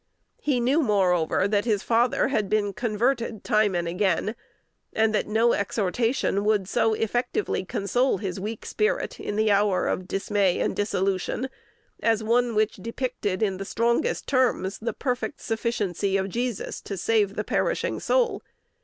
He knew, moreover, that his father had been "converted" time and again, and that no exhortation would so effectually console his weak spirit in the hour of dismay and dissolution as one which depicted, in the strongest terms, the perfect sufficiency of Jesus to save the perishing soul.